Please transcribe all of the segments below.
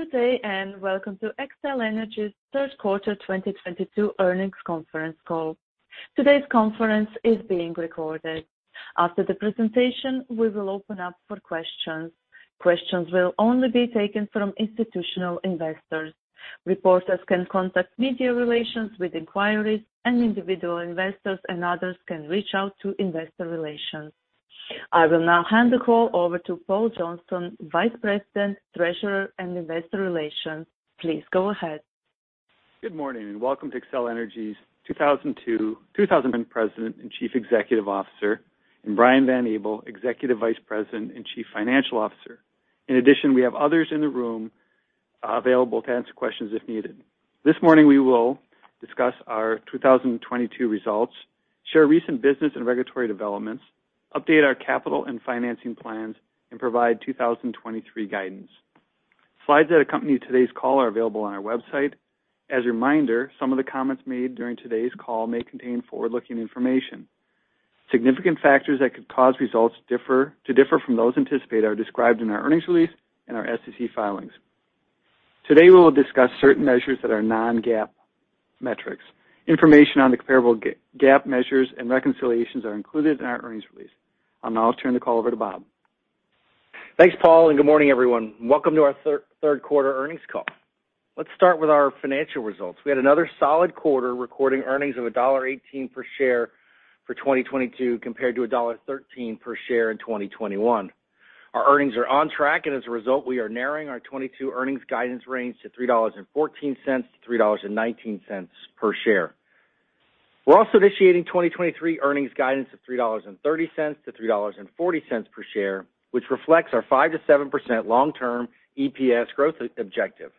Good day, and welcome to Xcel Energy's Q3 2022 earnings conference call. Today's conference is being recorded. After the presentation, we will open up for questions. Questions will only be taken from institutional investors. Reporters can contact Media Relations with inquiries, and individual investors and others can reach out to Investor Relations. I will now hand the call over to Paul Johnson, VP, Treasurer, and Investor Relations. Please go ahead. Good morning. Welcome to Xcel Energy's 2022 with Bob Frenzel, President and CEO, and Brian Van Abel, EVP and CFO. In addition, we have others in the room available to answer questions if needed. This morning, we will discuss our 2022 results, share recent business and regulatory developments, update our capital and financing plans, and provide 2023 guidance. Slides that accompany today's call are available on our website. As a reminder, some of the comments made during today's call may contain forward-looking information. Significant factors that could cause results to differ from those anticipated are described in our earnings release and our SEC filings. Today, we will discuss certain measures that are non-GAAP metrics. Information on the comparable GAAP measures and reconciliations are included in our earnings release. I'll now turn the call over to Bob. Thanks, Paul, and good morning, everyone. Welcome to our Q3 earnings call. Let's start with our financial results. We had another solid quarter recording earnings of $1.18 per share for 2022 compared to $1.13 per share in 2021. Our earnings are on track, and as a result, we are narrowing our 2022 earnings guidance range to $3.14-$3.19 per share. We're also initiating 2023 earnings guidance of $3.30-$3.40 per share, which reflects our 5%-7% long-term EPS growth objective.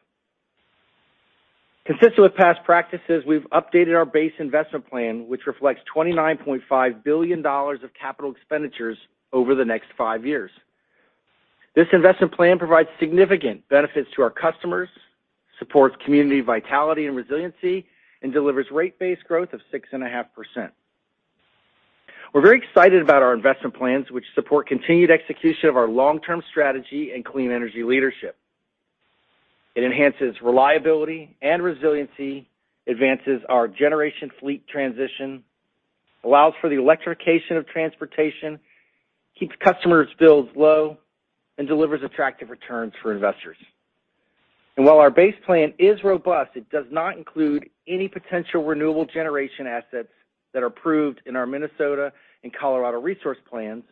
Consistent with past practices, we've updated our base investment plan, which reflects $29.5 billion of capital expenditures over the next five years. This investment plan provides significant benefits to our customers, supports community vitality and resiliency, and delivers rate base growth of 6.5%. We're very excited about our investment plans, which support continued execution of our long-term strategy and clean energy leadership. It enhances reliability and resiliency, advances our generation fleet transition, allows for the electrification of transportation, keeps customers' bills low, and delivers attractive returns for investors. While our base plan is robust, it does not include any potential renewable generation assets that are approved in our Minnesota and Colorado resource plans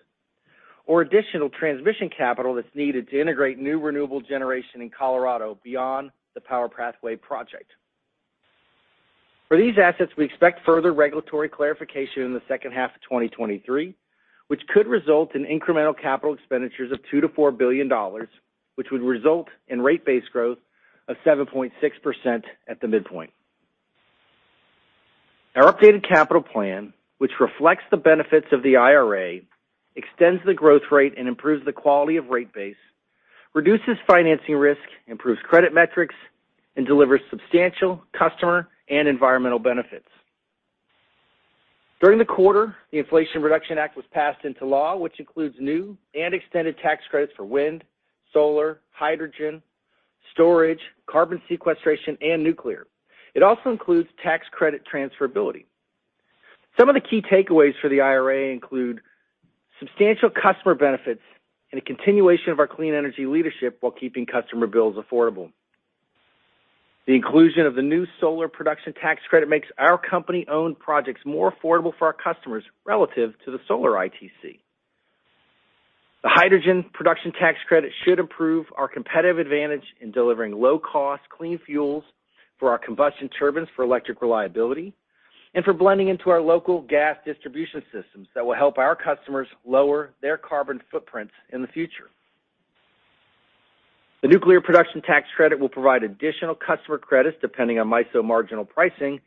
or additional transmission capital that's needed to integrate new renewable generation in Colorado beyond the Power Pathway project. For these assets, we expect further regulatory clarification in the second half of 2023, which could result in incremental capital expenditures of $2-$4 billion, which would result in rate base growth of 7.6% at the midpoint. Our updated capital plan, which reflects the benefits of the IRA, extends the growth rate and improves the quality of rate base, reduces financing risk, improves credit metrics, and delivers substantial customer and environmental benefits. During the quarter, the Inflation Reduction Act was passed into law, which includes new and extended tax credits for wind, solar, hydrogen, storage, carbon sequestration, and nuclear. It also includes tax credit transferability. Some of the key takeaways for the IRA include substantial customer benefits and a continuation of our clean energy leadership while keeping customer bills affordable. The inclusion of the new solar production tax credit makes our company-owned projects more affordable for our customers relative to the solar ITC. The hydrogen production tax credit should improve our competitive advantage in delivering low-cost clean fuels for our combustion turbines for electric reliability and for blending into our local gas distribution systems that will help our customers lower their carbon footprints in the future. The nuclear production tax credit will provide additional customer credits depending on MISO marginal pricing,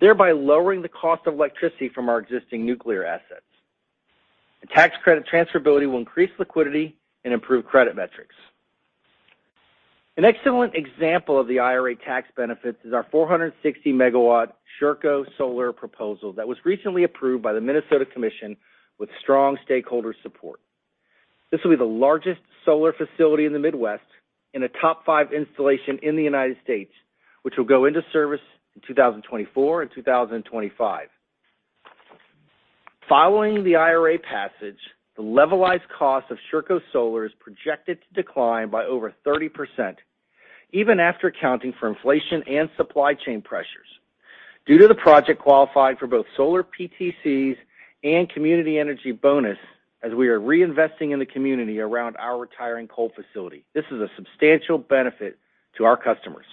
thereby lowering the cost of electricity from our existing nuclear assets. The tax credit transferability will increase liquidity and improve credit metrics. An excellent example of the IRA tax benefits is our 460-megawatt Sherco Solar proposal that was recently approved by the Minnesota Commission with strong stakeholder support. This will be the largest solar facility in the Midwest and a top five installation in the United States, which will go into service in 2024 and 2025. Following the IRA passage, the levelized cost of Sherco Solar is projected to decline by over 30%, even after accounting for inflation and supply chain pressures due to the project qualifying for both solar PTCs and community energy bonus as we are reinvesting in the community around our retiring coal facility. This is a substantial benefit to our customers.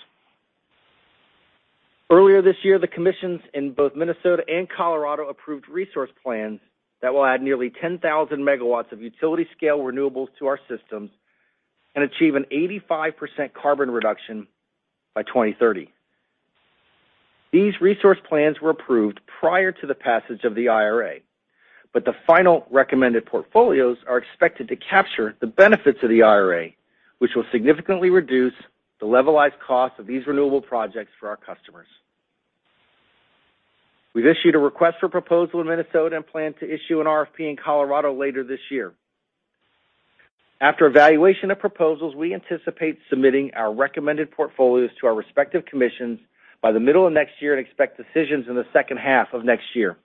Earlier this year, the commissions in both Minnesota and Colorado approved resource plans that will add nearly 10,000 megawatts of utility-scale renewables to our systems and achieve an 85% carbon reduction by 2030. These resource plans were approved prior to the passage of the IRA, but the final recommended portfolios are expected to capture the benefits of the IRA, which will significantly reduce the levelized cost of these renewable projects for our customers. We've issued a request for proposal in Minnesota and plan to issue an RFP in Colorado later this year. After evaluation of proposals, we anticipate submitting our recommended portfolios to our respective commissions by the middle of next year and expect decisions in the second half of next year.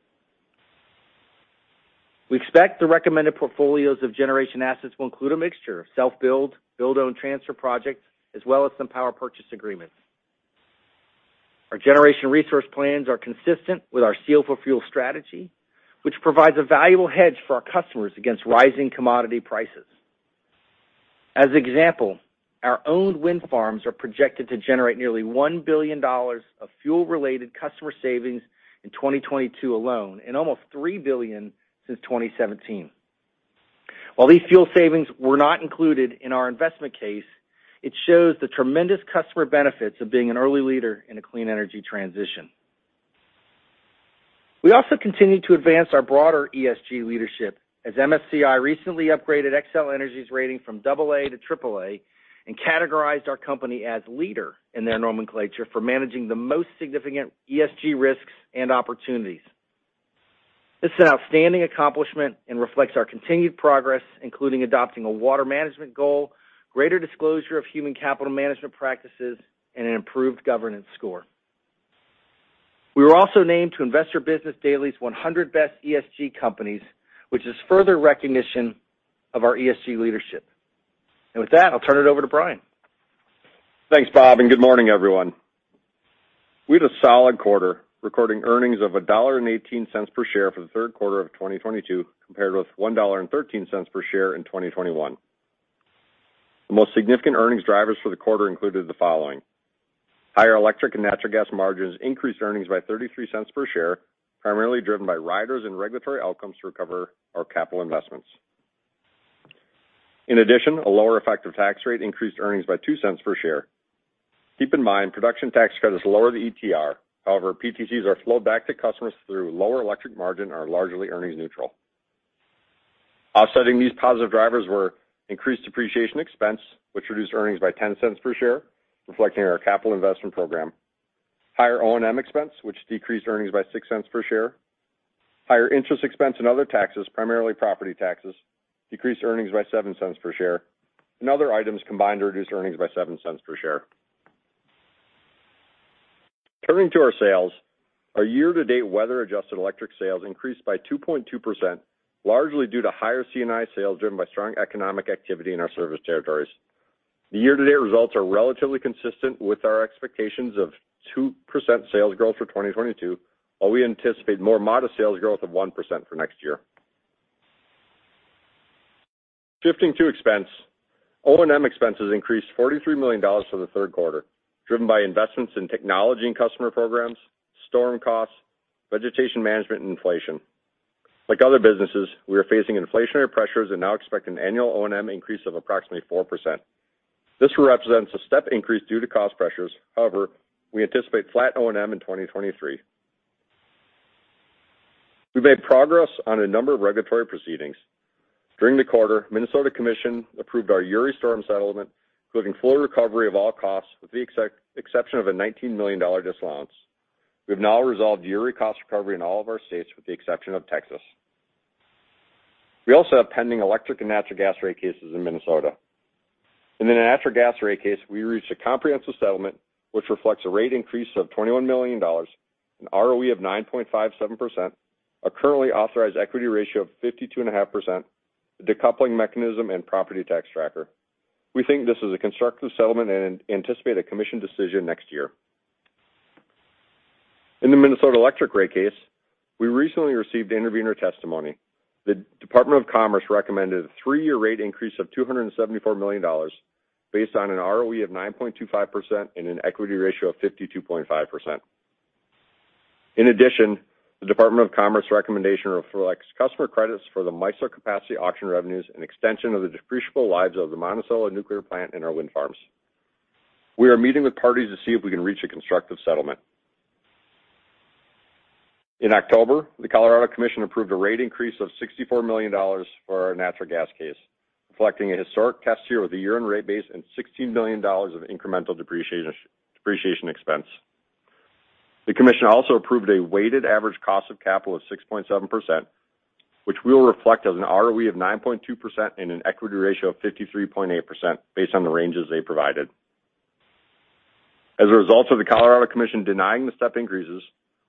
We expect the recommended portfolios of generation assets will include a mixture of self-build, build-own transfer projects, as well as some power purchase agreements. Our generation resource plans are consistent with our Steel for Fuel strategy, which provides a valuable hedge for our customers against rising commodity prices. As an example, our own wind farms are projected to generate nearly $1 billion of fuel-related customer savings in 2022 alone, and almost $3 billion since 2017. While these fuel savings were not included in our investment case, it shows the tremendous customer benefits of being an early leader in a clean energy transition. We also continue to advance our broader ESG leadership as MSCI recently upgraded Xcel Energy's rating from double A to triple A and categorized our company as leader in their nomenclature for managing the most significant ESG risks and opportunities. This is an outstanding accomplishment and reflects our continued progress, including adopting a water management goal, greater disclosure of human capital management practices, and an improved governance score. We were also named to Investor's Business Daily's 100 best ESG companies, which is further recognition of our ESG leadership. With that, I'll turn it over to Brian. Thanks, Bob, and good morning, everyone. We had a solid quarter, recording earnings of $1.18 per share for the third quarter of 2022, compared with $1.13 per share in 2021. The most significant earnings drivers for the quarter included the following. Higher electric and natural gas margins increased earnings by $0.33 per share, primarily driven by riders and regulatory outcomes to recover our capital investments. In addition, a lower effective tax rate increased earnings by $0.02 per share. Keep in mind, production tax credits lower the ETR. However, PTCs are flowed back to customers through lower electric margin are largely earnings neutral. Offsetting these positive drivers were increased depreciation expense, which reduced earnings by $0.10 per share, reflecting our capital investment program. Higher O&M expense, which decreased earnings by $0.06 per share. Higher interest expense and other taxes, primarily property taxes, decreased earnings by $0.07 per share. Other items combined reduced earnings by $0.07 per share. Turning to our sales, our year-to-date weather-adjusted electric sales increased by 2.2%, largely due to higher C&I sales driven by strong economic activity in our service territories. The year-to-date results are relatively consistent with our expectations of 2% sales growth for 2022, while we anticipate more modest sales growth of 1% for next year. Shifting to expenses, O&M expenses increased $43 million for the third quarter, driven by investments in technology and customer programs, storm costs, vegetation management, and inflation. Like other businesses, we are facing inflationary pressures and now expect an annual O&M increase of approximately 4%. This represents a step increase due to cost pressures. However, we anticipate flat O&M in 2023. We made progress on a number of regulatory proceedings. During the quarter, Minnesota Commission approved our Uri storm settlement, including full recovery of all costs, with the exception of a $19 million disallowance. We have now resolved Uri cost recovery in all of our states, with the exception of Texas. We also have pending electric and natural gas rate cases in Minnesota. In the natural gas rate case, we reached a comprehensive settlement, which reflects a rate increase of $21 million, an ROE of 9.57%, a currently authorized equity ratio of 52.5%, the decoupling mechanism, and property tax tracker. We think this is a constructive settlement and anticipate a Commission decision next year. In the Minnesota electric rate case, we recently received intervener testimony. The Minnesota Department of Commerce recommended a three-year rate increase of $274 million based on an ROE of 9.25% and an equity ratio of 52.5%. In addition, the Minnesota Department of Commerce recommendation reflects customer credits for the MISO capacity auction revenues and extension of the depreciable lives of the Monticello nuclear plant and our wind farms. We are meeting with parties to see if we can reach a constructive settlement. In October, the Colorado Public Utilities Commission approved a rate increase of $64 million for our natural gas case, reflecting a historic test year with a year-end rate base and $16 million of incremental depreciation expense. The Commission also approved a weighted average cost of capital of 6.7%, which we will reflect as an ROE of 9.2% and an equity ratio of 53.8% based on the ranges they provided. As a result of the Colorado Commission denying the step increases,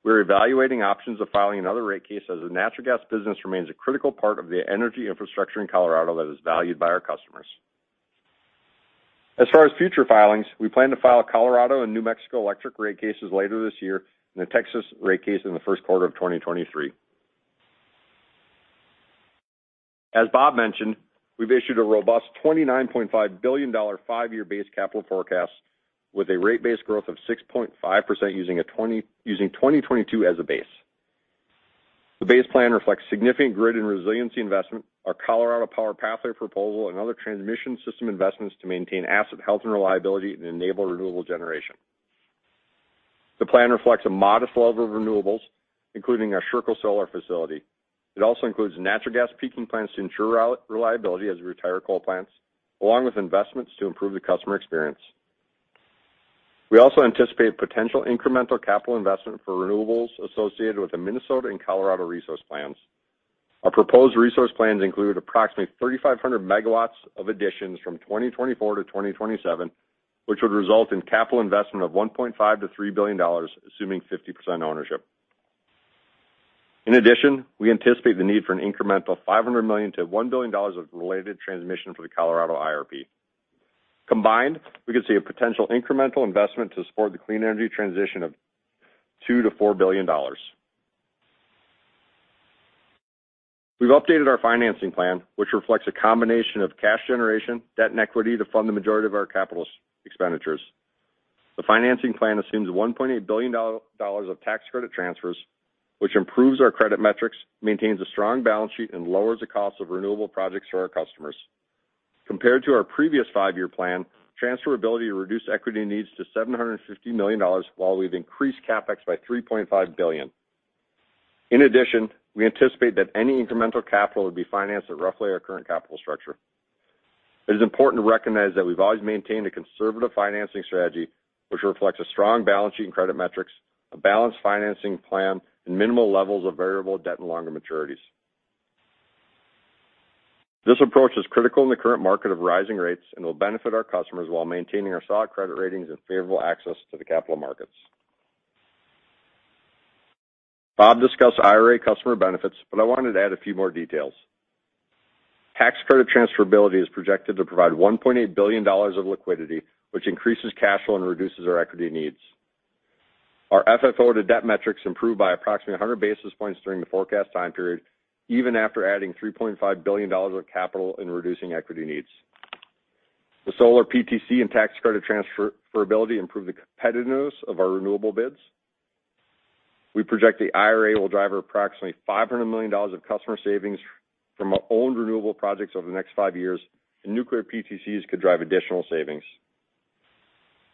we are evaluating options of filing another rate case as the natural gas business remains a critical part of the energy infrastructure in Colorado that is valued by our customers. As far as future filings, we plan to file Colorado and New Mexico electric rate cases later this year and a Texas rate case in the Q1 of 2023. As Bob mentioned, we've issued a robust $29.5 billion-dollar five-year base capital forecast with a rate base growth of 6.5% using 2022 as a base. The base plan reflects significant grid and resiliency investment, our Colorado's Power Pathway proposal, and other transmission system investments to maintain asset health and reliability and enable renewable generation. The plan reflects a modest level of renewables, including our Sherco Solar facility. It also includes natural gas peaking plants to ensure reliability as we retire coal plants, along with investments to improve the customer experience. We also anticipate potential incremental capital investment for renewables associated with the Minnesota and Colorado resource plans. Our proposed resource plans include approximately 3,500 megawatts of additions from 2024 to 2027, which would result in capital investment of $1.5-$3 billion, assuming 50% ownership. In addition, we anticipate the need for an incremental $500 million-$1 billion of related transmission for the Colorado IRP. Combined, we could see a potential incremental investment to support the clean energy transition of $2-$4 billion. We've updated our financing plan, which reflects a combination of cash generation, debt, and equity to fund the majority of our capital expenditures. The financing plan assumes $1.8 billion dollars of tax credit transfers, which improves our credit metrics, maintains a strong balance sheet, and lowers the cost of renewable projects for our customers. Compared to our previous five-year plan, transferability reduced equity needs to $750 million dollars while we've increased CapEx by $3.5 billion. In addition, we anticipate that any incremental capital would be financed at roughly our current capital structure. It is important to recognize that we've always maintained a conservative financing strategy, which reflects a strong balance sheet and credit metrics, a balanced financing plan, and minimal levels of variable debt and longer maturities. This approach is critical in the current market of rising rates and will benefit our customers while maintaining our solid credit ratings and favorable access to the capital markets. Bob discussed IRA customer benefits, but I wanted to add a few more details. Tax credit transferability is projected to provide $1.8 billion of liquidity, which increases cash flow and reduces our equity needs. Our FFO to debt metrics improve by approximately 100 basis points during the forecast time period, even after adding $3.5 billion of capital and reducing equity needs. The solar PTC and tax credit transferability improve the competitiveness of our renewable bids. We project the IRA will drive approximately $500 million of customer savings from our own renewable projects over the next five years, and nuclear PTCs could drive additional savings.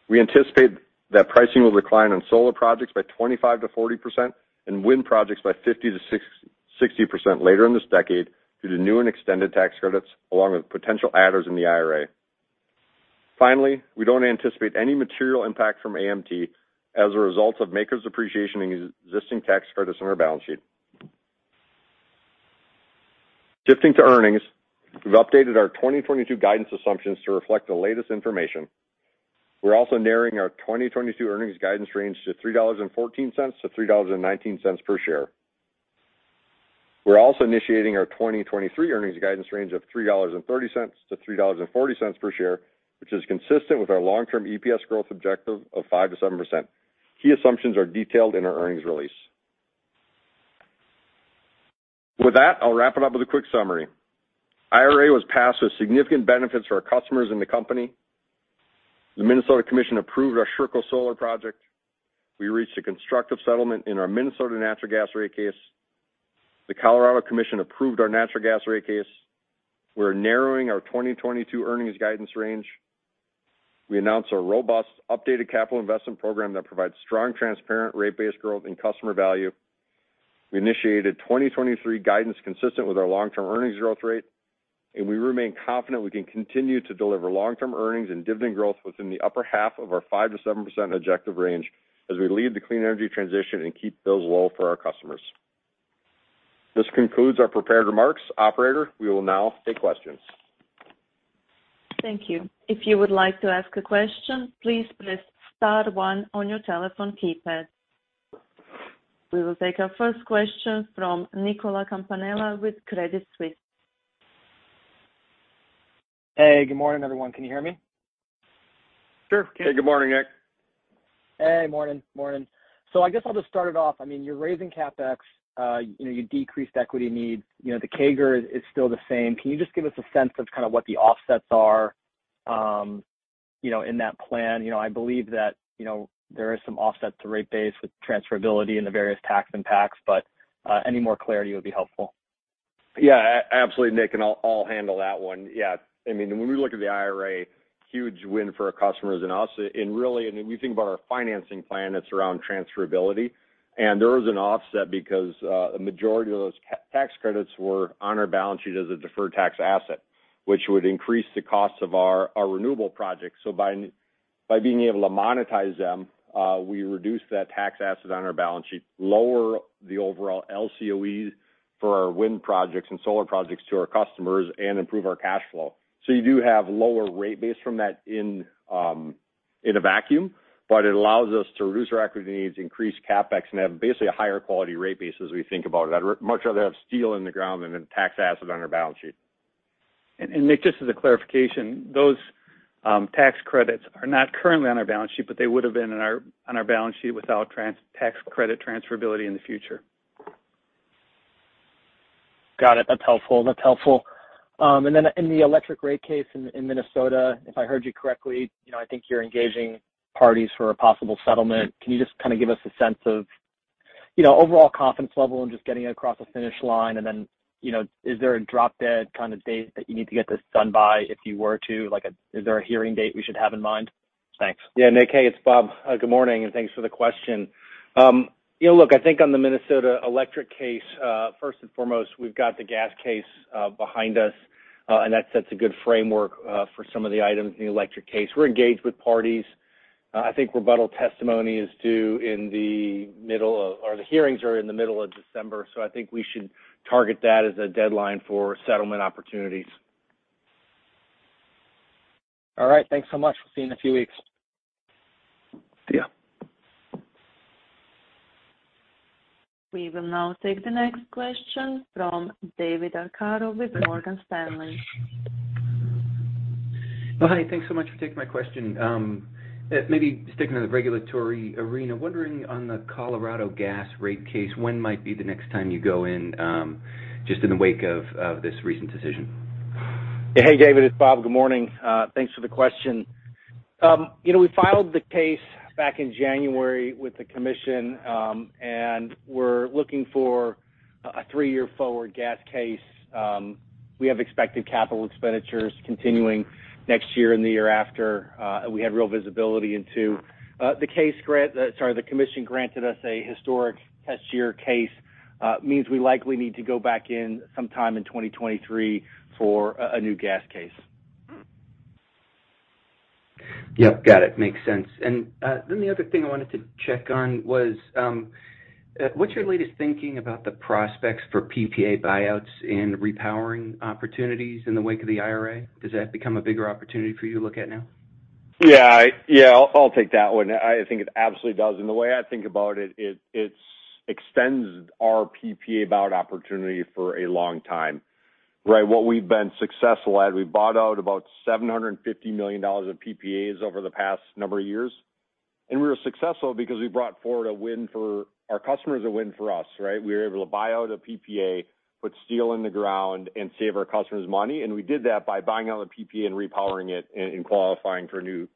We anticipate that pricing will decline on solar projects by 25%-40% and wind projects by 50%-60% later in this decade due to new and extended tax credits, along with potential adders in the IRA. Finally, we don't anticipate any material impact from AMT as a result of MACRS depreciation and existing tax credits on our balance sheet. Shifting to earnings, we've updated our 2022 guidance assumptions to reflect the latest information. We're also narrowing our 2022 earnings guidance range to $3.14-$3.19 per share. We're also initiating our 2023 earnings guidance range of $3.30-$3.40 per share, which is consistent with our long-term EPS growth objective of 5%-7%. Key assumptions are detailed in our earnings release. With that, I'll wrap it up with a quick summary. IRA was passed with significant benefits for our customers and the company. The Minnesota Commission approved our Sherco Solar project. We reached a constructive settlement in our Minnesota natural gas rate case. The Colorado Commission approved our natural gas rate case. We're narrowing our 2022 earnings guidance range. We announced our robust updated capital investment program that provides strong, transparent rate-based growth and customer value. We initiated 2023 guidance consistent with our long-term earnings growth rate, and we remain confident we can continue to deliver long-term earnings and dividend growth within the upper half of our 5%-7% objective range as we lead the clean energy transition and keep bills low for our customers. This concludes our prepared remarks. Operator, we will now take questions. Thank you. If you would like to ask a question, please press star one on your telephone keypad. We will take our first question from Nicholas Campanella with Credit Suisse. Hey, good morning, everyone. Can you hear me? Sure. Yes. Hey, good morning, Nick. Hey. Morning, morning. I guess I'll just start it off. I mean, you're raising CapEx, you know, you decreased equity needs. You know, the CAGR is still the same. Can you just give us a sense of kind of what the offsets are, you know, in that plan? You know, I believe that, you know, there is some offset to rate base with transferability and the various tax impacts, but any more clarity would be helpful. Yeah, absolutely, Nick, and I'll handle that one. Yeah. I mean, when we look at the IRA, huge win for our customers and us. Really, if you think about our financing plan that's around transferability, there is an offset because a majority of those tax credits were on our balance sheet as a deferred tax asset, which would increase the cost of our renewable projects. By being able to monetize them, we reduce that tax asset on our balance sheet, lower the overall LCOE for our wind projects and solar projects to our customers and improve our cash flow. You do have lower rate base from that in a vacuum, but it allows us to reduce our equity needs, increase CapEx, and have basically a higher quality rate base as we think about it. I'd much rather have steel in the ground than a tax asset on our balance sheet. Nick, just as a clarification, those tax credits are not currently on our balance sheet, but they would have been on our balance sheet without tax credit transferability in the future. Got it. That's helpful. Then in the electric rate case in Minnesota, if I heard you correctly, you know, I think you're engaging parties for a possible settlement. Can you just kind of give us a sense of, you know, overall confidence level and just getting it across the finish line? Then, you know, is there a drop-dead kind of date that you need to get this done by if you were to? Like, is there a hearing date we should have in mind? Thanks. Yeah, Nick. Hey, it's Bob. Good morning, and thanks for the question. You know, look, I think on the Minnesota electric case, first and foremost, we've got the gas case behind us. That sets a good framework for some of the items in the electric case. We're engaged with parties. I think rebuttal testimony is due or the hearings are in the middle of December, so I think we should target that as a deadline for settlement opportunities. All right. Thanks so much. We'll see you in a few weeks. See ya. We will now take the next question from David Arcaro with Morgan Stanley. Oh, hi. Thanks so much for taking my question. Maybe sticking to the regulatory arena. Wondering on the Colorado gas rate case, when might be the next time you go in, just in the wake of this recent decision? Hey, David, it's Bob. Good morning. Thanks for the question. You know, we filed the case back in January with the commission, and we're looking for a three-year forward gas case. We have expected capital expenditures continuing next year and the year after we had real visibility into. The commission granted us a historic test year case, means we likely need to go back in sometime in 2023 for a new gas case. Yep, got it. Makes sense. Then the other thing I wanted to check on was, what's your latest thinking about the prospects for PPA buyouts and repowering opportunities in the wake of the IRA? Does that become a bigger opportunity for you to look at now? Yeah. Yeah, I'll take that one. I think it absolutely does. The way I think about it is it extends our PPA buyout opportunity for a long time, right? What we've been successful at, we bought out about $750 million of PPAs over the past number of years. We were successful because we brought forward a win for our customers, a win for us, right? We were able to buy out a PPA, put steel in the ground and save our customers money. We did that by buying out a PPA and repowering it and qualifying for a new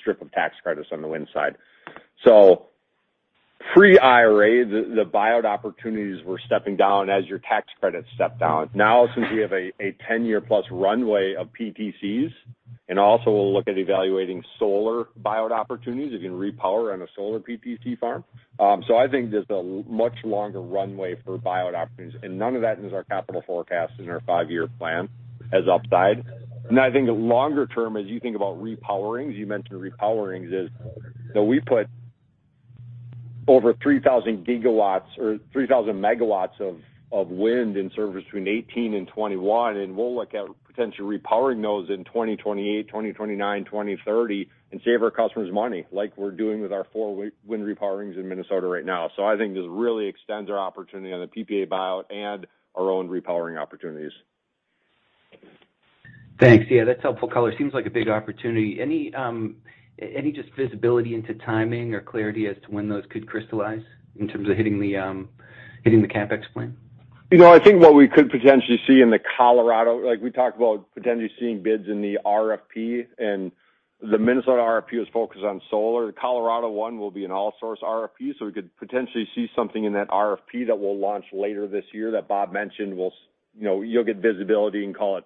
strip of tax credits on the wind side. Pre-IRA, the buyout opportunities were stepping down as your tax credits stepped down. Now, since we have a 10-year plus runway of PTCs, and also we'll look at evaluating solar buyout opportunities, you can repower on a solar PTC farm. I think there's a much longer runway for buyout opportunities, and none of that is our capital forecast in our five-year plan as upside. I think longer term, as you think about repowerings, you mentioned repowerings, we put over 3,000 gigawatts or 3,000 megawatts of wind in service between 2018 and 2021, and we'll look at potentially repowering those in 2028, 2029, 2030 and save our customers money like we're doing with our four wind repowerings in Minnesota right now. I think this really extends our opportunity on the PPA buyout and our own repowering opportunities. Thanks. Yeah, that's helpful color. Seems like a big opportunity. Any just visibility into timing or clarity as to when those could crystallize in terms of hitting the CapEx plan? You know, I think what we could potentially see in the Colorado, like we talked about potentially seeing bids in the RFP and the Minnesota RFP was focused on solar. The Colorado one will be an all source RFP, so we could potentially see something in that RFP that we'll launch later this year that Bob mentioned. You know, you'll get visibility and call it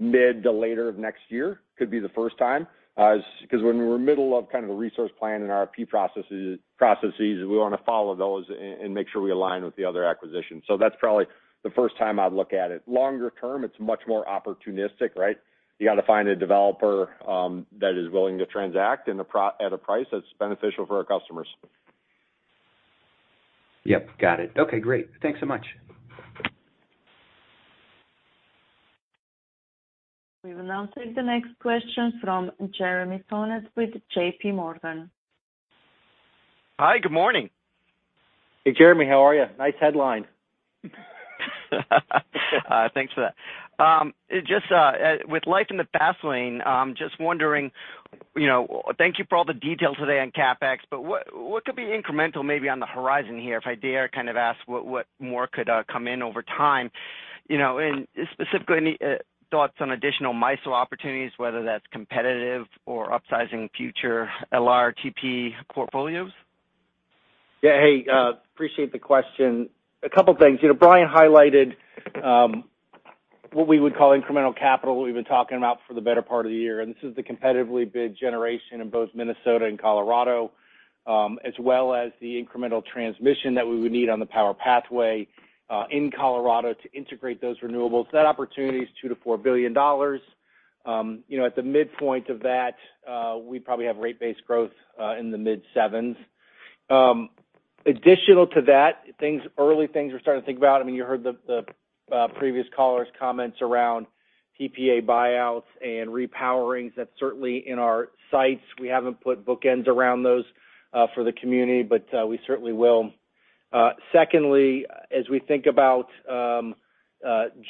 mid to later of next year. Could be the first time, 'cause when we're middle of kind of a resource plan and RFP processes, we want to follow those and make sure we align with the other acquisitions. That's probably the first time I'd look at it. Longer term, it's much more opportunistic, right? You got to find a developer that is willing to transact at a price that's beneficial for our customers. Yep, got it. Okay, great. Thanks so much. We will now take the next question from Jeremy Tonet with JP Morgan. Hi. Good morning. Hey, Jeremy, how are you? Nice headline. Thanks for that. Just, with life in the fast lane, just wondering, you know, thank you for all the detail today on CapEx, but what could be incremental maybe on the horizon here, if I dare kind of ask what more could come in over time, you know? Specifically, any thoughts on additional MISO opportunities, whether that's competitive or upsizing future LRTP portfolios? Yeah. Hey, appreciate the question. A couple of things. You know, Brian highlighted what we would call incremental capital, what we've been talking about for the better part of the year. This is the competitively bid generation in both Minnesota and Colorado, as well as the incremental transmission that we would need on the Power Pathway in Colorado to integrate those renewables. That opportunity is $2 billion-$4 billion. You know, at the midpoint of that, we probably have rate base growth in the mid-7s%. Additional to that, early things we're starting to think about. I mean, you heard the previous caller's comments around PPA buyouts and re-powerings. That's certainly in our sights. We haven't put bookends around those for the community, but we certainly will. Secondly, as we think about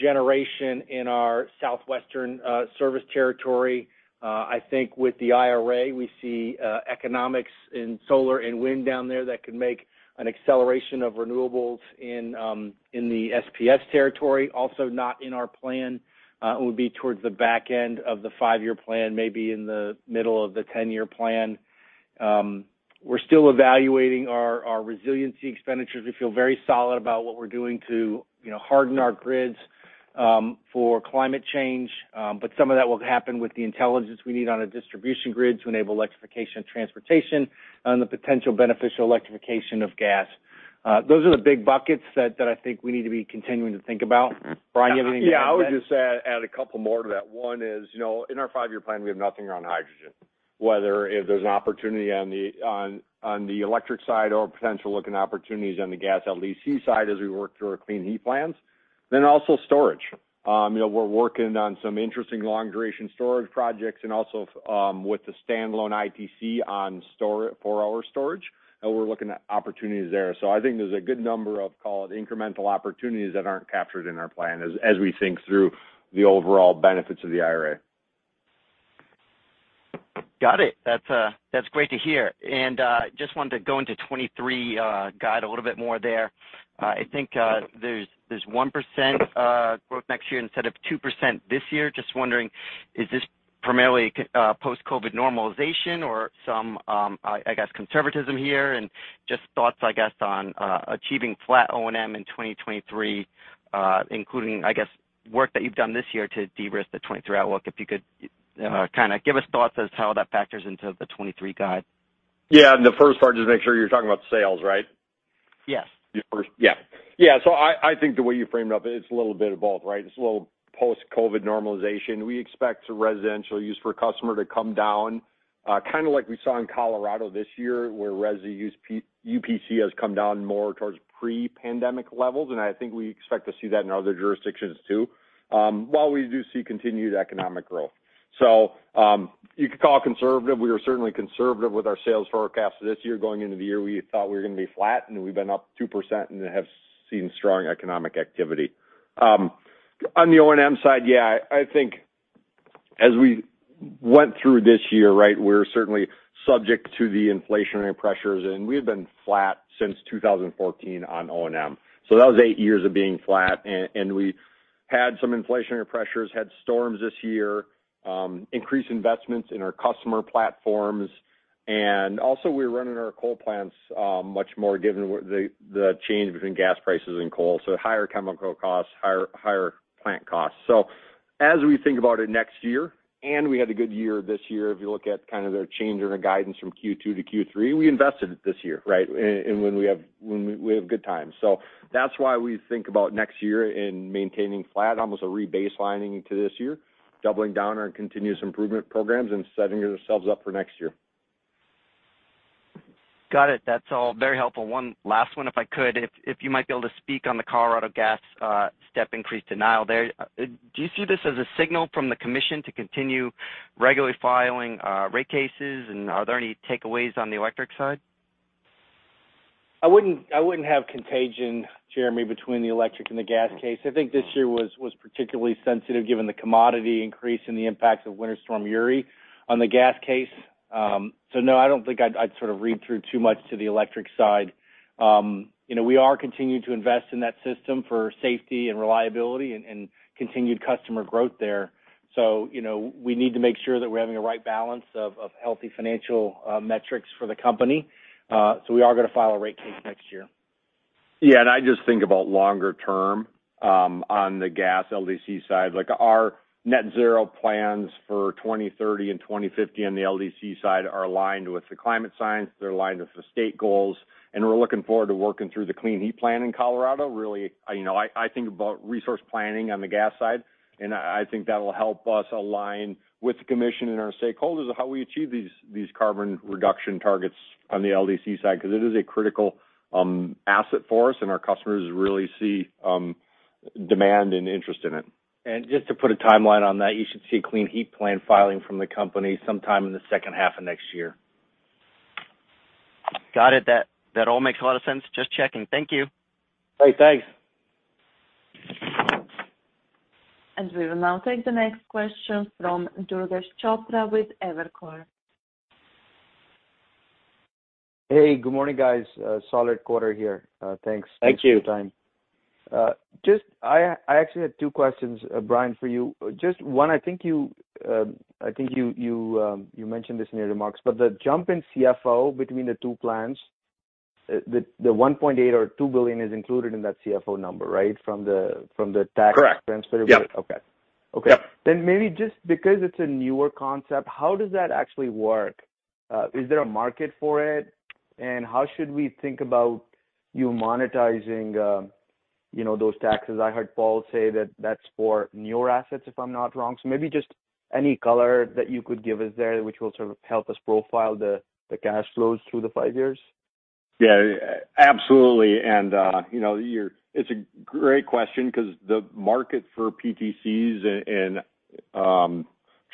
generation in our southwestern service territory, I think with the IRA, we see economics in solar and wind down there that can make an acceleration of renewables in the SPS territory, also not in our plan. It would be towards the back end of the five-year plan, maybe in the middle of the ten-year plan. We're still evaluating our resiliency expenditures. We feel very solid about what we're doing to you know harden our grids for climate change. Some of that will happen with the intelligence we need on a distribution grid to enable electrification of transportation and the potential beneficial electrification of gas. Those are the big buckets that I think we need to be continuing to think about. Brian, you have anything to add to that? Yeah. I would just add a couple more to that. One is, you know, in our five-year plan we have nothing around hydrogen, whether if there's an opportunity on the electric side or potential looking opportunities on the gas LDC side as we work through our Clean Heat plans. Also storage. You know, we're working on some interesting long duration storage projects and also, with the standalone ITC for our storage, and we're looking at opportunities there. I think there's a good number of, call it, incremental opportunities that aren't captured in our plan as we think through the overall benefits of the IRA. Got it. That's great to hear. Just wanted to go into 2023 guide a little bit more there. I think there's 1% growth next year instead of 2% this year. Just wondering, is this primarily post-COVID normalization or some I guess conservatism here? Just thoughts, I guess, on achieving flat O&M in 2023, including, I guess, work that you've done this year to de-risk the 2023 outlook. If you could kind of give us thoughts as to how that factors into the 2023 guide. Yeah. The first part, just make sure you're talking about sales, right? Yes. I think the way you framed up, it's a little bit of both, right? It's a little post-COVID normalization. We expect residential use per customer to come down, kind of like we saw in Colorado this year, where residential use per customer has come down more towards pre-pandemic levels, and I think we expect to see that in other jurisdictions too, while we do see continued economic growth. You could call it conservative. We are certainly conservative with our sales forecast this year. Going into the year, we thought we were gonna be flat, and we've been up 2% and have seen strong economic activity. On the O&M side, yeah, I think as we went through this year, right, we're certainly subject to the inflationary pressures, and we have been flat since 2014 on O&M. That was eight years of being flat and we had some inflationary pressures, had storms this year, increased investments in our customer platforms. We're running our coal plants much more given the change between gas prices and coal, so higher chemical costs, higher plant costs. We think about it next year, and we had a good year this year, if you look at kind of the change in our guidance from Q2 to Q3, we invested it this year, right? When we have good times. That's why we think about next year in maintaining flat, almost a re-baselining to this year, doubling down on our continuous improvement programs and setting ourselves up for next year. Got it. That's all very helpful. One last one, if I could. If you might be able to speak on the Colorado gas step increase denial there. Do you see this as a signal from the commission to continue regularly filing rate cases? Are there any takeaways on the electric side? I wouldn't have contagion, Jeremy, between the electric and the gas case. I think this year was particularly sensitive given the commodity increase and the impacts of Winter Storm Uri on the gas case. No, I don't think I'd sort of read through too much to the electric side. You know, we are continuing to invest in that system for safety and reliability and continued customer growth there. You know, we need to make sure that we're having the right balance of healthy financial metrics for the company. We are gonna file a rate case next year. Yeah. I just think about longer term on the gas LDC side. Like our net zero plans for 2030 and 2050 on the LDC side are aligned with the climate science. They're aligned with the state goals, and we're looking forward to working through the Clean Heat Plan in Colorado. Really, you know, I think about resource planning on the gas side, and I think that'll help us align with the commission and our stakeholders on how we achieve these carbon reduction targets on the LDC side, 'cause it is a critical asset for us, and our customers really see demand and interest in it. Just to put a timeline on that, you should see Clean Heat Plan filing from the company sometime in the second half of next year. Got it. That all makes a lot of sense. Just checking. Thank you. Great. Thanks. We will now take the next question from Durgesh Chopra with Evercore. Hey, good morning, guys. A solid quarter here. Thanks- Thank you. Thanks for the time. I actually had two questions, Brian, for you. Just one, I think you mentioned this in your remarks, but the jump in CFO between the two plans, $1.8 billion or $2 billion is included in that CFO number, right? From the tax- Correct transferability. Yep. Okay. Okay. Yep. Maybe just because it's a newer concept, how does that actually work? Is there a market for it? How should we think about you monetizing, you know, those taxes? I heard Paul say that that's for newer assets, if I'm not wrong. Maybe just any color that you could give us there which will sort of help us profile the cash flows through the five years. Yeah. Absolutely. You know, it's a great question because the market for PTCs and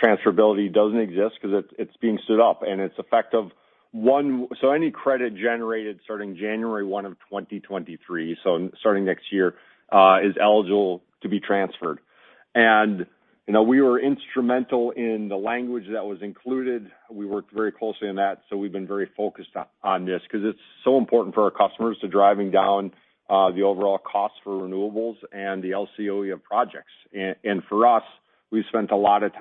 transferability doesn't exist because it's being stood up, and it's effective January 1st 2023. So any credit generated starting January 1, 2023, so starting next year, is eligible to be transferred. You know, we were instrumental in the language that was included. We worked very closely on that, so we've been very focused on this because it's so important for our customers to driving down the overall cost for renewables and the LCOE of projects. For us, we've spent a lot of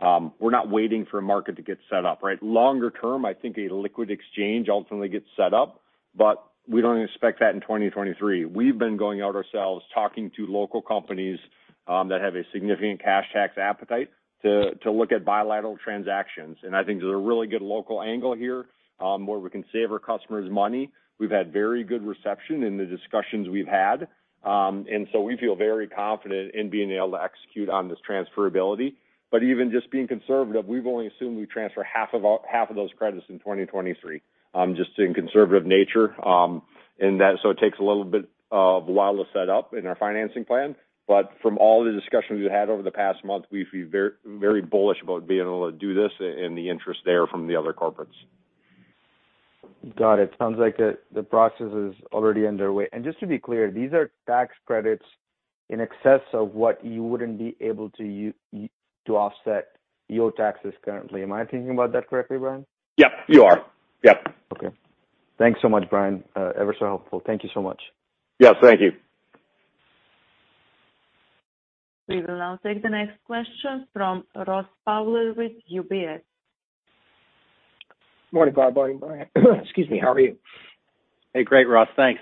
time, we're not waiting for a market to get set up, right? Longer term, I think a liquid exchange ultimately gets set up, but we don't expect that in 2023. We've been going out ourselves talking to local companies that have a significant cash tax appetite to look at bilateral transactions. I think there's a really good local angle here where we can save our customers money. We've had very good reception in the discussions we've had. We feel very confident in being able to execute on this transferability. Even just being conservative, we've only assumed we transfer half of those credits in 2023, just in conservative nature. It takes a little bit of while to set up in our financing plan. From all the discussions we've had over the past month, we feel very bullish about being able to do this in the interest there from the other corporates. Got it. Sounds like the process is already underway. Just to be clear, these are tax credits in excess of what you wouldn't be able to offset your taxes currently. Am I thinking about that correctly, Brian? Yep, you are. Yep. Okay. Thanks so much, Brian. Ever so helpful. Thank you so much. Yes, thank you. We will now take the next question from Ross Fowler with UBS. Morning, Bob and Brian. Excuse me. How are you? Hey, great, Ross. Thanks.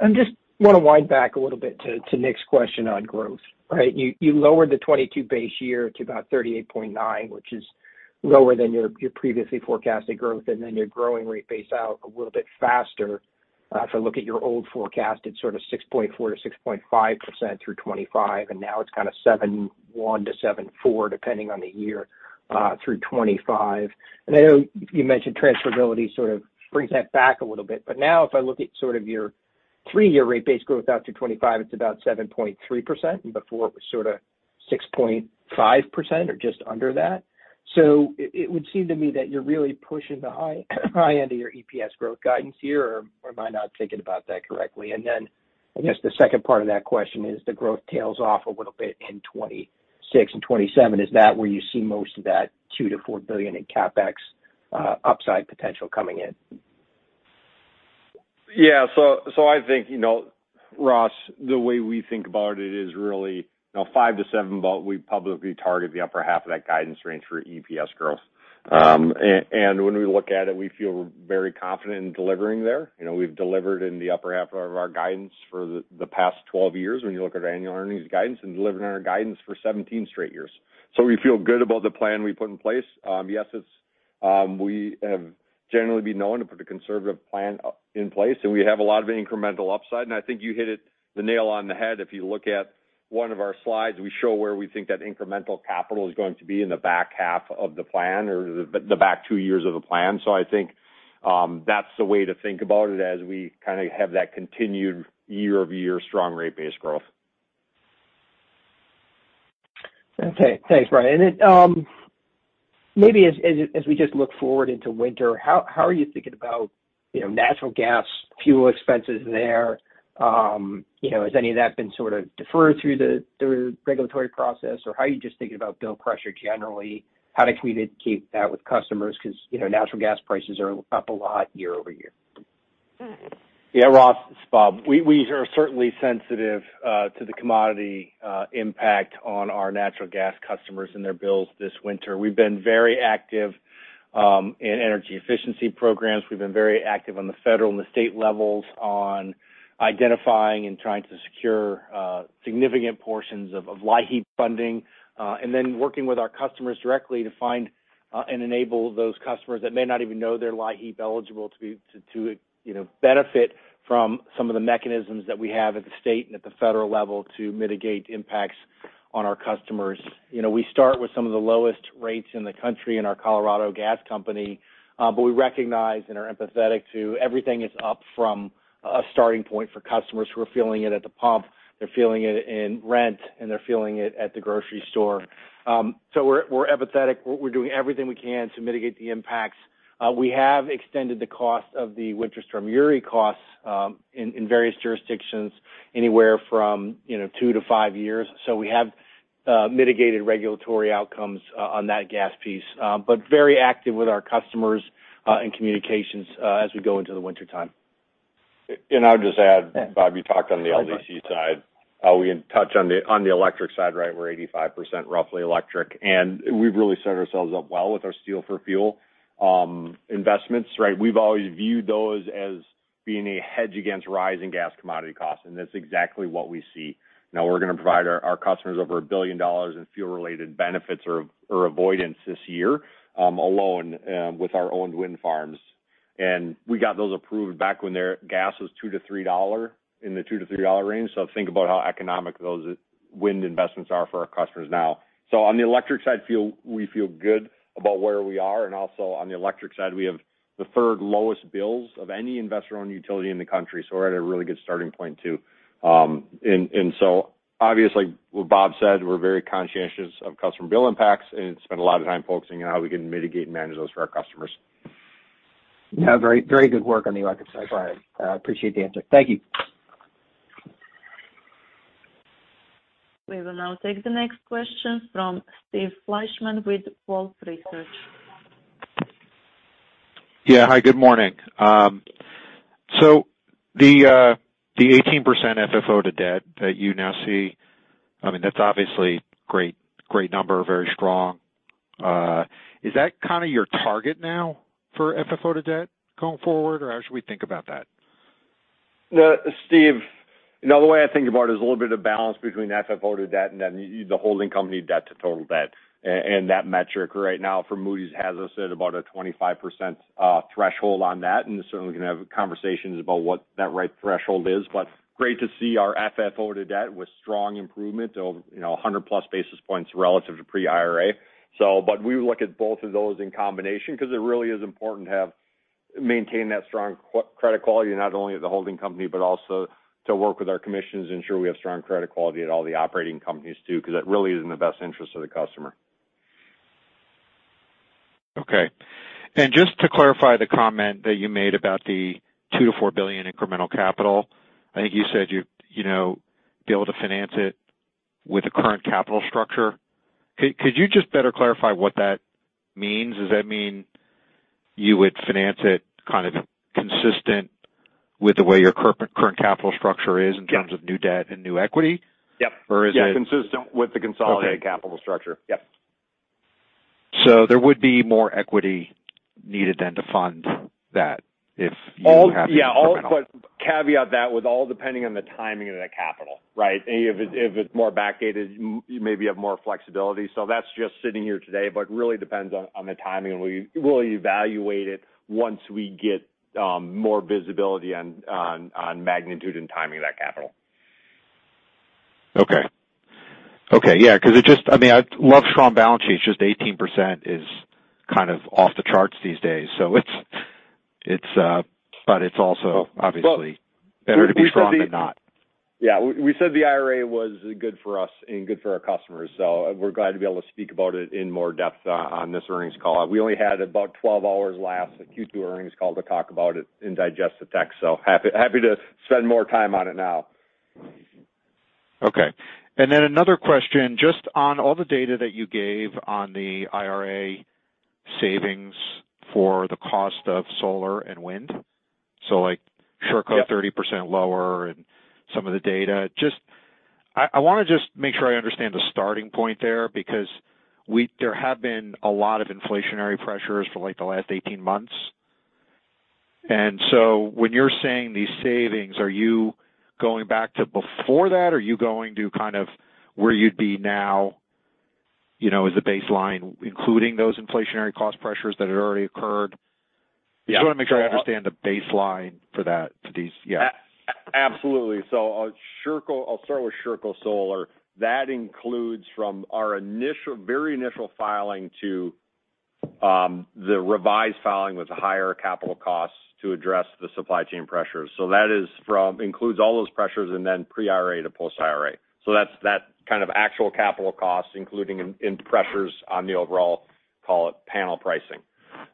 I just wanna wind back a little bit to Nick's question on growth, right? You lowered the 2022 base year to about 38.9, which is lower than your previously forecasted growth, and then you're growing rate base out a little bit faster. If I look at your old forecast, it's sort of 6.4%-6.5% through 2025, and now it's kind of 7.1-7.4, depending on the year, through 2025. I know you mentioned transferability sort of brings that back a little bit. Now if I look at sort of your three-year rate base growth out to 2025, it's about 7.3%, and before it was sort of 6.5% or just under that. It would seem to me that you're really pushing the high, high end of your EPS growth guidance here, or am I not thinking about that correctly? I guess the second part of that question is the growth tails off a little bit in 2026 and 2027. Is that where you see most of that $2 billion-$4 billion in CapEx upside potential coming in? Yeah. I think, you know, Ross, the way we think about it is really, you know, 5%-7%. We publicly target the upper half of that guidance range for EPS growth. And when we look at it, we feel very confident in delivering there. You know, we've delivered in the upper half of our guidance for the past 12 years when you look at our annual earnings guidance and delivering our guidance for 17 straight years. We feel good about the plan we put in place. Yes, it's we have generally been known to put a conservative plan in place, and we have a lot of incremental upside. I think you hit the nail on the head. If you look at one of our slides, we show where we think that incremental capital is going to be in the back half of the plan or the back two years of the plan. I think, that's the way to think about it as we kinda have that continued year-over-year strong rate base growth. Okay. Thanks, Brian. Maybe as we just look forward into winter, how are you thinking about, you know, natural gas fuel expenses there? Has any of that been sort of deferred through the regulatory process? How are you just thinking about bill pressure generally? How do we communicate that with customers? 'Cause, you know, natural gas prices are up a lot year-over-year. Yeah, Ross, it's Bob. We are certainly sensitive to the commodity impact on our natural gas customers and their bills this winter. We've been very active in energy efficiency programs. We've been very active on the federal and the state levels on identifying and trying to secure significant portions of LIHEAP funding, and then working with our customers directly to find and enable those customers that may not even know they're LIHEAP eligible to, you know, benefit from some of the mechanisms that we have at the state and at the federal level to mitigate impacts on our customers. You know, we start with some of the lowest rates in the country in our Colorado gas company, but we recognize and are empathetic to everything is up from a starting point for customers who are feeling it at the pump, they're feeling it in rent, and they're feeling it at the grocery store. We're empathetic. We're doing everything we can to mitigate the impacts. We have extended the cost of the Winter Storm Uri costs in various jurisdictions, anywhere from, you know, two-five years. We have mitigated regulatory outcomes on that gas piece. Very active with our customers and communications as we go into the wintertime. I'll just add, Bob, you talked on the LDC side. We can touch on the electric side, right? We're 85% roughly electric, and we've really set ourselves up well with our Steel for Fuel investments, right? We've always viewed those as being a hedge against rising gas commodity costs, and that's exactly what we see. Now we're gonna provide our customers over $1 billion in fuel-related benefits or avoidance this year alone with our owned wind farms. We got those approved back when their gas was in the $2-$3 range. Think about how economic those wind investments are for our customers now. On the electric side, we feel good about where we are. Also on the electric side, we have the third lowest bills of any investor-owned utility in the country. We're at a really good starting point, too. Obviously what Bob said, we're very conscientious of customer bill impacts and spend a lot of time focusing on how we can mitigate and manage those for our customers. Yeah, very, very good work on the electric side, Brian. I appreciate the answer. Thank you. We will now take the next question from Steve Fleishman with Wolfe Research. Yeah. Hi, good morning. So the 18% FFO to debt that you now see, I mean, that's obviously great number, very strong. Is that kind of your target now for FFO to debt going forward, or how should we think about that? Steve, you know, the way I think about it is a little bit of balance between FFO to debt and then the holding company debt to total debt. That metric right now for Moody's has us at about a 25% threshold on that, and certainly we can have conversations about what that right threshold is. But great to see our FFO to debt with strong improvement of, you know, 100+ basis points relative to pre-IRA. We look at both of those in combination because it really is important to maintain that strong credit quality, not only at the holding company but also to work with our commissions, ensure we have strong credit quality at all the operating companies too, because that really is in the best interest of the customer. Okay. Just to clarify the comment that you made about the $2-4 billion incremental capital. I think you said you'd, you know, be able to finance it with the current capital structure. Could you just better clarify what that means? Does that mean you would finance it kind of consistent with the way your current capital structure is in terms of new debt and new equity? Yep. Or is it Yeah, consistent with the consolidated capital structure. Yep. There would be more equity needed than to fund that if you have the incremental. All. Yeah, all. Caveat that with all depending on the timing of the capital, right? If it's more backdated, you maybe have more flexibility. That's just sitting here today, but really depends on magnitude and timing of that capital. Okay. Yeah, 'cause it just, I mean, I love strong balance sheets, just 18% is kind of off the charts these days. It's, but it's also obviously better to be strong than not. Yeah. We said the IRA was good for us and good for our customers, so we're glad to be able to speak about it in more depth on this earnings call. We only had about 12 hours last Q2 earnings call to talk about it and digest the tech, so happy to spend more time on it now. Okay. Then another question, just on all the data that you gave on the IRA savings for the cost of solar and wind. Like Sherco. Yep 30% lower and some of the data. I wanna just make sure I understand the starting point there because there have been a lot of inflationary pressures for like the last 18 months. When you're saying these savings, are you going back to before that, or are you going to kind of where you'd be now, you know, as a baseline, including those inflationary cost pressures that had already occurred? Yeah. Just wanna make sure I understand the baseline for that, for these. Yeah. Absolutely. Sherco Solar. I'll start with Sherco Solar. That includes from our very initial filing to the revised filing with the higher capital costs to address the supply chain pressures. That includes all those pressures and then pre-IRA to post-IRA. That's kind of actual capital costs, including pressures on the overall, call it, panel pricing,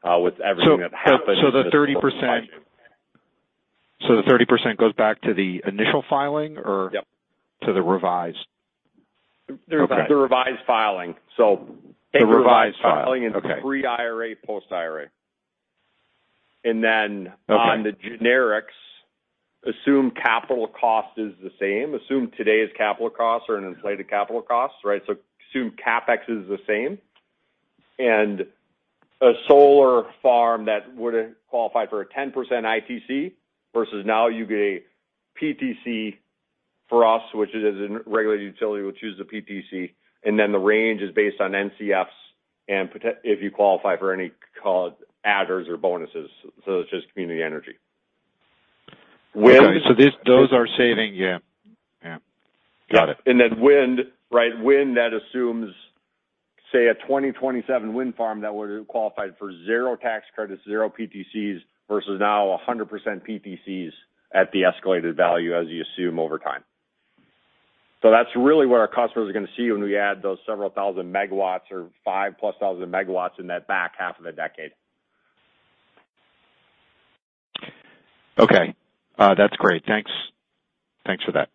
with everything that happened. The 30% goes back to the initial filing or Yep to the revised? Okay. The revised filing. The revised filing. Okay. Take the revised filing. It's pre-IRA, post-IRA. Okay... on the generics, assume capital cost is the same, assume today's capital costs are an inflated capital cost, right? So assume CapEx is the same. A solar farm that would qualify for a 10% ITC versus now you get a PTC for us, which is a regulated utility, we'll choose the PTC, and then the range is based on NCFs and if you qualify for any, call it, adders or bonuses, so it's just community energy. Wind- Okay. Those are savings. Yeah. Yeah. Got it. Wind, right? That assumes, say, a 2027 wind farm that would have qualified for zero tax credits, zero PTCs versus now 100% PTCs at the escalated value as you assume over time. That's really what our customers are gonna see when we add those several thousand megawatts or five plus thousand megawatts in that back half of the decade. Okay. That's great. Thanks. Thanks for that.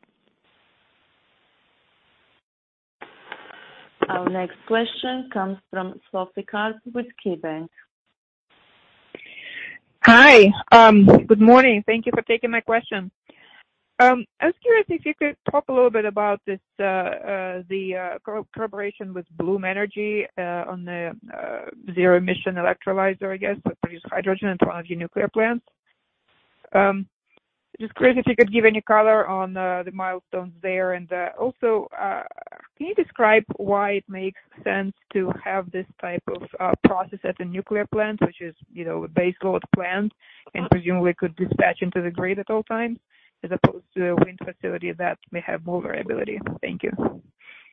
Our next question comes from Sophie Karp with KeyBank. Hi. Good morning. Thank you for taking my question. I was curious if you could talk a little bit about this, the collaboration with Bloom Energy, on the zero emission electrolyzer, I guess, that produce hydrogen in front of your nuclear plants. Just curious if you could give any color on the milestones there. Also, can you describe why it makes sense to have this type of process at a nuclear plant, which is, you know, a base load plant and presumably could dispatch into the grid at all times, as opposed to a wind facility that may have more variability? Thank you.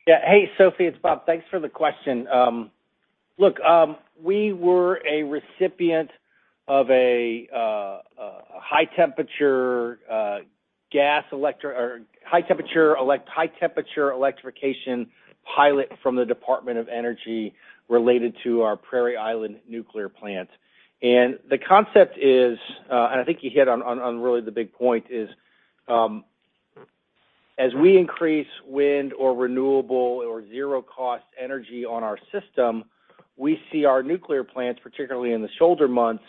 Yeah. Hey, Sophie, it's Bob. Thanks for the question. Look, we were a recipient of a high temperature electrification pilot from the Department of Energy related to our Prairie Island nuclear plant. The concept is, and I think you hit on really the big point is, As we increase wind or renewable or zero cost energy on our system, we see our nuclear plants, particularly in the shoulder months,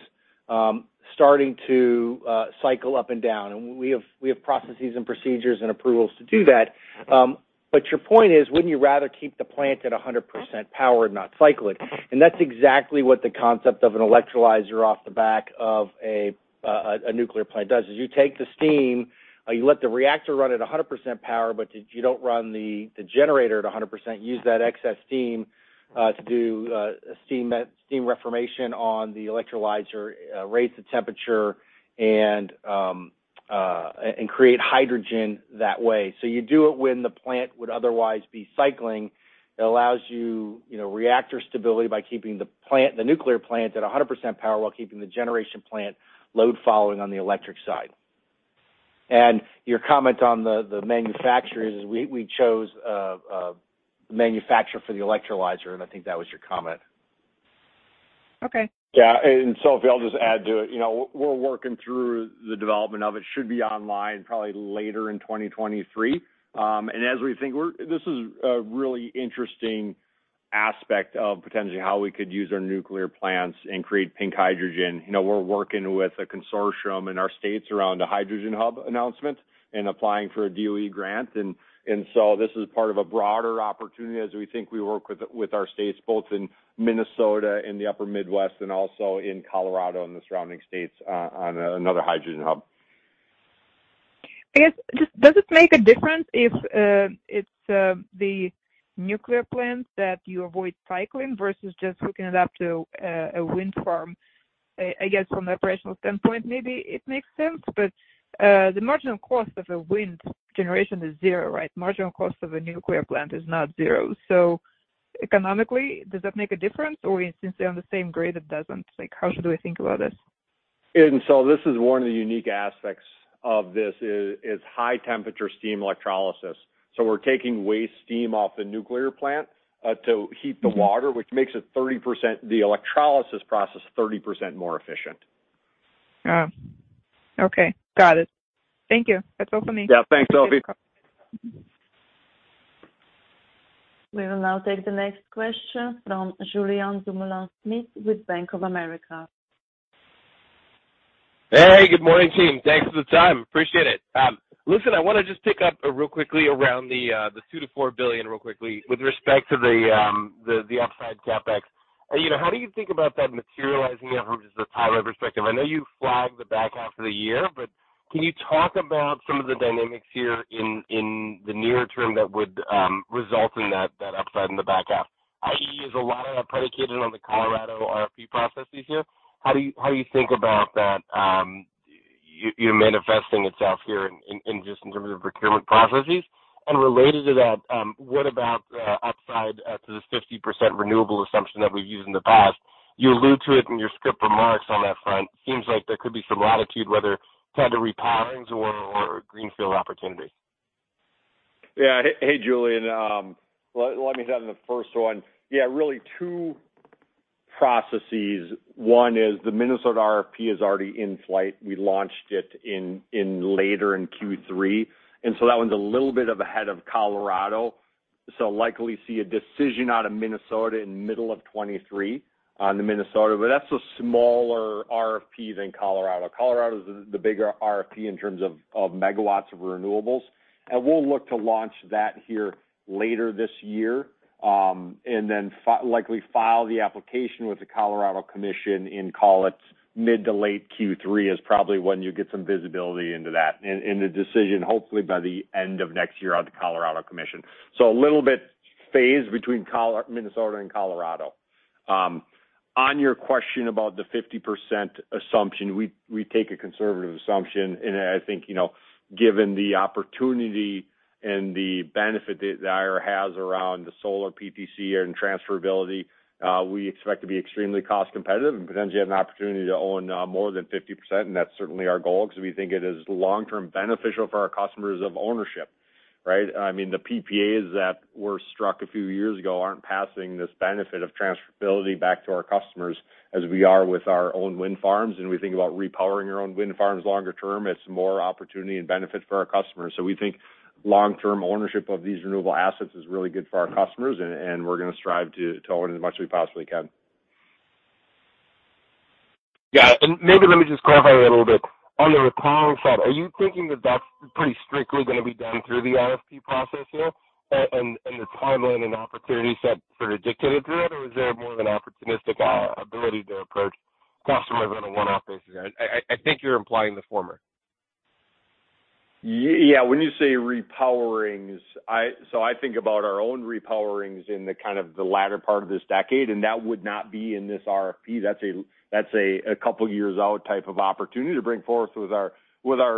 starting to cycle up and down. We have processes and procedures and approvals to do that. Your point is, wouldn't you rather keep the plant at 100% power and not cycle it? That's exactly what the concept of an electrolyzer off the back of a nuclear plant does, is you take the steam, you let the reactor run at 100% power, but you don't run the generator at 100%, use that excess steam to do steam reforming on the electrolyzer, raise the temperature and create hydrogen that way. You do it when the plant would otherwise be cycling. It allows you know, reactor stability by keeping the plant, the nuclear plant at 100% power while keeping the generation plant load following on the electric side. Your comment on the manufacturers we chose, the manufacturer for the electrolyzer, and I think that was your comment. Okay. Yeah. Sophie, I'll just add to it. You know, we're working through the development of it. Should be online probably later in 2023. And as we think. This is a really interesting aspect of potentially how we could use our nuclear plants and create pink hydrogen. You know, we're working with a consortium in our states around a hydrogen hub announcement and applying for a DOE grant. And so this is part of a broader opportunity as we think we work with our states, both in Minnesota, in the upper Midwest, and also in Colorado and the surrounding states, on another hydrogen hub. I guess, does it make a difference if it's the nuclear plant that you avoid cycling versus just hooking it up to a wind farm? I guess from an operational standpoint, maybe it makes sense, but the marginal cost of a wind generation is zero, right? Marginal cost of a nuclear plant is not zero. Economically, does that make a difference? Or since they're on the same grid, it doesn't. Like, how should we think about this? This is one of the unique aspects of this is high temperature steam electrolysis. We're taking waste steam off the nuclear plant to heat the water, which makes the electrolysis process 30% more efficient. Oh, okay. Got it. Thank you. That's all for me. Yeah, thanks, Sophie. We will now take the next question from Julien Dumoulin-Smith with Bank of America. Hey, good morning, team. Thanks for the time. Appreciate it. Listen, I wanna just pick up real quickly around the $2-$4 billion real quickly with respect to the upside CapEx. You know, how do you think about that materializing out from just a time perspective? I know you flagged the back half of the year, but can you talk about some of the dynamics here in the near term that would result in that upside in the back half? i.e., is a lot of that predicated on the Colorado RFP processes here? How do you think about that, you know, manifesting itself here in just in terms of procurement processes? And related to that, what about the upside to the 50% renewable assumption that we've used in the past? You allude to it in your script remarks on that front. Seems like there could be some latitude, whether it's kind of repowerings or greenfield opportunities. Hey, Julien. Let me hit on the first one. Yeah, really two processes. One is the Minnesota RFP is already in flight. We launched it later in Q3, and so that one's a little bit ahead of Colorado. Likely see a decision out of Minnesota in middle of 2023 on the Minnesota. But that's a smaller RFP than Colorado. Colorado is the bigger RFP in terms of megawatts of renewables. We'll look to launch that here later this year, and then likely file the application with the Colorado Commission in, call it, mid to late Q3 is probably when you get some visibility into that. And a decision, hopefully by the end of next year out of the Colorado Commission. So a little bit phased between Minnesota and Colorado. On your question about the 50% assumption, we take a conservative assumption. I think, you know, given the opportunity and the benefit that the IRA has around the solar PTC and transferability, we expect to be extremely cost competitive and potentially have an opportunity to own more than 50%. That's certainly our goal because we think it is long-term beneficial for our customers of ownership, right? I mean, the PPAs that were struck a few years ago aren't passing this benefit of transferability back to our customers as we are with our own wind farms. We think about repowering our own wind farms longer term, it's more opportunity and benefit for our customers. We think long-term ownership of these renewable assets is really good for our customers and we're gonna strive to own as much as we possibly can. Yeah. Maybe let me just clarify a little bit. On the repowering side, are you thinking that that's pretty strictly gonna be done through the RFP process here and the timeline and opportunity set sort of dictated through it? Or is there more of an opportunistic ability to approach customers on a one-off basis? I think you're implying the former. Yeah. When you say repowerings, so I think about our own repowerings in the kind of the latter part of this decade, and that would not be in this RFP. That's a couple years out type of opportunity to bring forth with our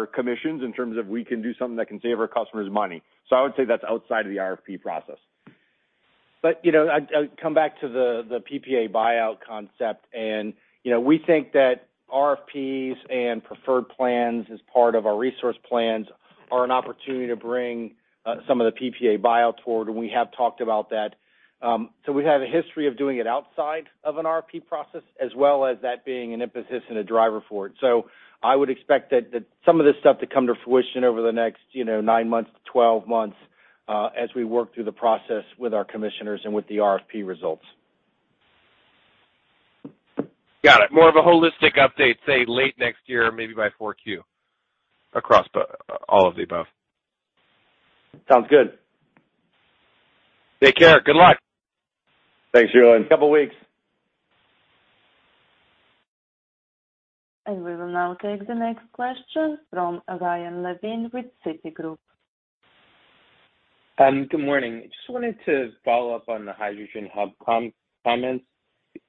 commissions in terms of we can do something that can save our customers money. I would say that's outside of the RFP process. I come back to the PPA buyout concept and, you know, we think that RFPs and preferred plans as part of our resource plans are an opportunity to bring some of the PPA buyout toward, and we have talked about that. We have a history of doing it outside of an RFP process, as well as that being an impetus and a driver for it. I would expect that some of this stuff to come to fruition over the next, you know, nine months to 12 months as we work through the process with our commissioners and with the RFP results. Got it. More of a holistic update, say, late next year, maybe by Q4 across all of the above. Sounds good. Take care. Good luck. Thanks, Julien Dumoulin-Smith. Couple weeks. We will now take the next question from Ryan Levine with Citigroup. Good morning. Just wanted to follow up on the Hydrogen Hub comments.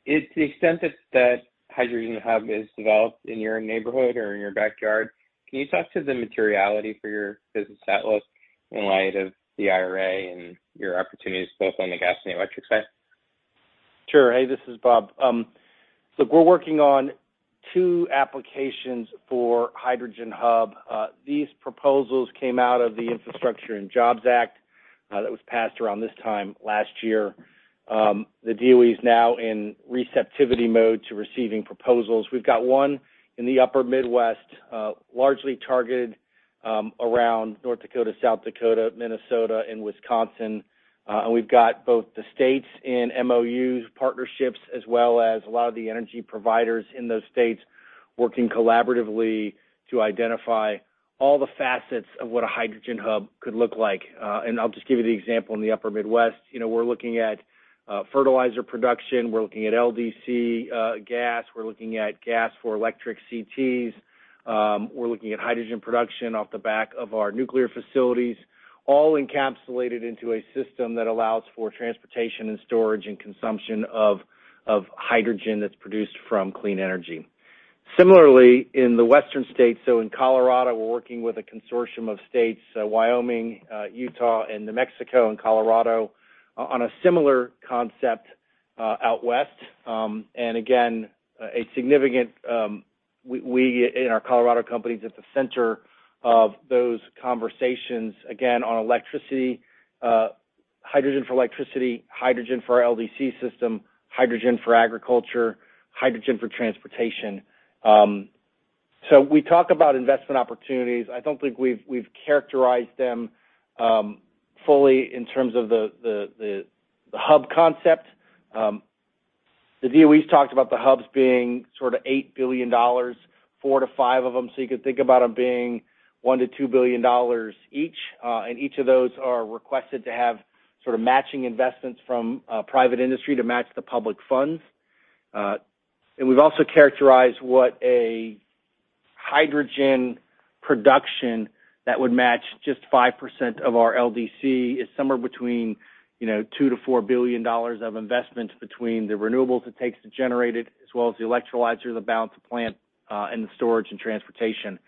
To the extent that that Hydrogen Hub is developed in your neighborhood or in your backyard, can you talk to the materiality for your business at least in light of the IRA and your opportunities both on the gas and electric side? Sure. Hey, this is Bob. Look, we're working on two applications for Hydrogen Hub. These proposals came out of the Infrastructure and Jobs Act that was passed around this time last year. The DOE is now in receptive mode to receiving proposals. We've got one in the upper Midwest, largely targeted around North Dakota, South Dakota, Minnesota, and Wisconsin. We've got both the states in MOUs partnerships as well as a lot of the energy providers in those states working collaboratively to identify all the facets of what a Hydrogen Hub could look like. I'll just give you the example in the upper Midwest. You know, we're looking at fertilizer production. We're looking at LDC gas. We're looking at gas for electric CTs. We're looking at hydrogen production off the back of our nuclear facilities, all encapsulated into a system that allows for transportation and storage and consumption of hydrogen that's produced from clean energy. Similarly, in the Western states, so in Colorado, we're working with a consortium of states, Wyoming, Utah, and New Mexico and Colorado on a similar concept out west. Again, in our Colorado company is at the center of those conversations, again, hydrogen for electricity, hydrogen for our LDC system, hydrogen for agriculture, hydrogen for transportation. We talk about investment opportunities. I don't think we've characterized them fully in terms of the hub concept. The DOE's talked about the hubs being sort of $8 billion, 4-5 of them, so you could think about them being $1-$2 billion each. Each of those are requested to have sort of matching investments from private industry to match the public funds. We've also characterized what a hydrogen production that would match just 5% of our LDC is somewhere between, you know, $2-$4 billion of investment between the renewables it takes to generate it, as well as the electrolyzer, the balance of plant, and the storage and transportation.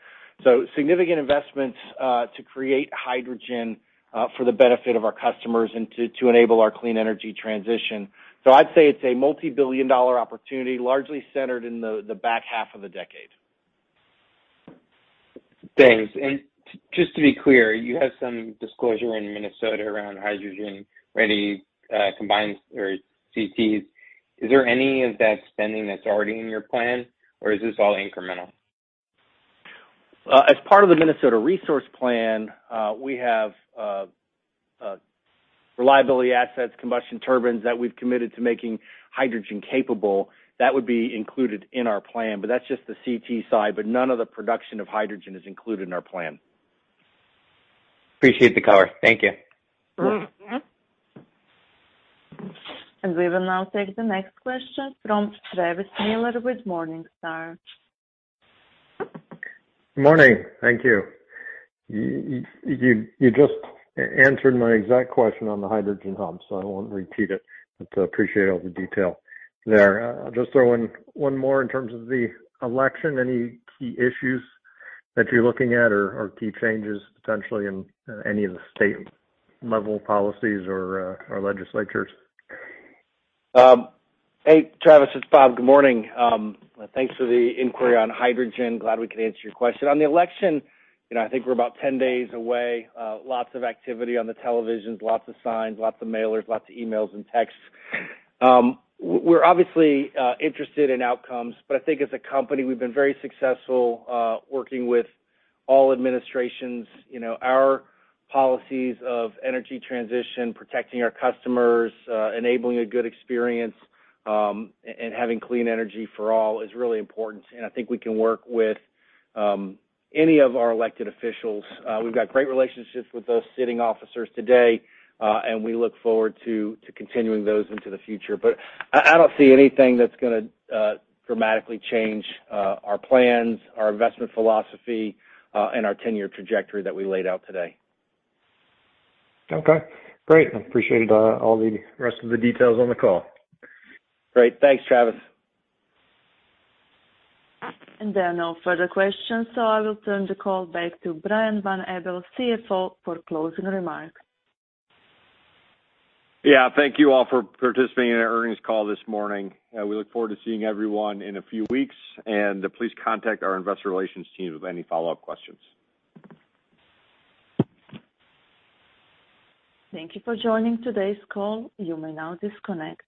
Significant investments to create hydrogen for the benefit of our customers and to enable our clean energy transition. I'd say it's a multi-billion-dollar opportunity, largely centered in the back half of the decade. Thanks. Just to be clear, you have some disclosure in Minnesota around hydrogen-ready, combined or CTs. Is there any of that spending that's already in your plan, or is this all incremental? As part of the Minnesota Resource Plan, we have reliability assets, combustion turbines that we've committed to making hydrogen capable. That would be included in our plan, but that's just the CT side, but none of the production of hydrogen is included in our plan. Appreciate the color. Thank you. We will now take the next question from Travis Miller with Morningstar. Morning. Thank you. You just answered my exact question on the Hydrogen Hub, so I won't repeat it. Appreciate all the detail there. I'll just throw in one more in terms of the election. Any key issues that you're looking at or key changes potentially in any of the state-level policies or legislatures? Hey, Travis, it's Bob. Good morning. Thanks for the inquiry on hydrogen. Glad we could answer your question. On the election, you know, I think we're about 10 days away. Lots of activity on the televisions, lots of signs, lots of mailers, lots of emails and texts. We're obviously interested in outcomes, but I think as a company, we've been very successful working with all administrations. You know, our policies of energy transition, protecting our customers, enabling a good experience, and having clean energy for all is really important. I think we can work with any of our elected officials. We've got great relationships with those sitting officials today, and we look forward to continuing those into the future. I don't see anything that's gonna dramatically change our plans, our investment philosophy, and our ten-year trajectory that we laid out today. Okay, great. I appreciate all the rest of the details on the call. Great. Thanks, Travis. There are no further questions, so I will turn the call back to Brian Van Abel, CFO, for closing remarks. Yeah. Thank you all for participating in our earnings call this morning. We look forward to seeing everyone in a few weeks, and please contact our investor relations team with any follow-up questions. Thank you for joining today's call. You may now disconnect.